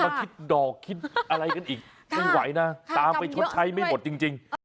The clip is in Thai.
คิดดอกคิดอะไรกันอีกไม่ไหวนะตามไปชดใช้ไม่หมดจริง